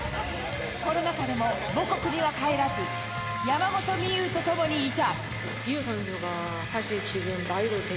コロナ禍でも母国には帰らず山本美憂と共にいた。